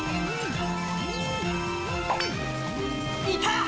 いた！